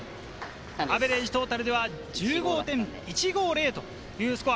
アベレージ、トータルでは１５．１５０というスコア。